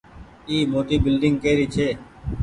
اي موٽي بلڌنگ ڪيري ڇي۔